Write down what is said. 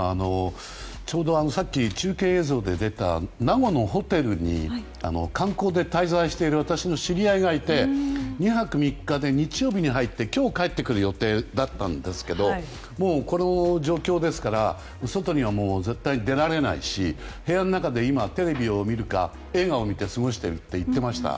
ちょうどさっき中継映像で出た名護のホテルに観光で滞在している私の知り合いがいて２泊３日で日曜日に入って今日帰ってくる予定だったんですけどもうこの状況ですから外には絶対出られないし部屋の中で今、テレビを見るか映画を見て過ごしていると言っていました。